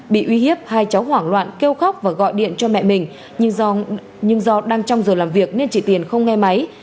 bị uy hiếp hai cháu hoảng loạn kêu khóc và gọi điện cho mẹ mình nhưng do đang trong giờ làm việc nên chị tiền không nghe máy